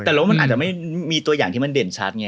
แต่รถมันอาจจะไม่มีตัวอย่างที่มันเด่นชัดไง